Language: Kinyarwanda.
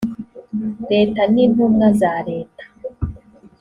leta n intumwa za leta